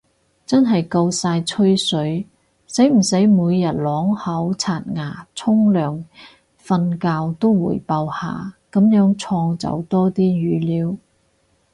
真係夠晒吹水，使唔使每日啷口刷牙沖涼瞓覺都滙報下，噉樣創造多啲語料